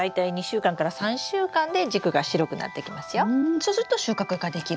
そうすると収穫ができる？